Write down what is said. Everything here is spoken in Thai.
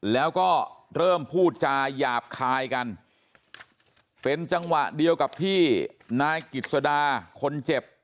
แล้วก็เริ่มพูดจาหยาบคายกันเป็นจังหวะเดียวกับที่นายกิจสดาคนเจ็บ